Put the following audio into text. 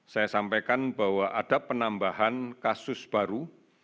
saya sampaikan bahwa ada penambahan kasus baru